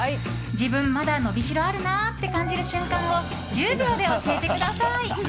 自分、まだ伸びしろあるなって感じる瞬間を１０秒で教えてください。